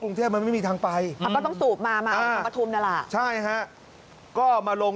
กรุงเทพฯมันไม่มีทางไปก็ต้องสูบมาจากอันกระทุมแล้วล่ะ